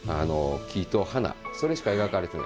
木と花それしか描かれてない。